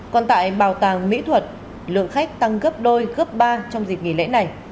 còn tại bảo tàng mỹ thuật lượng khách tăng gấp đôi gấp ba trong dịp nghỉ lễ này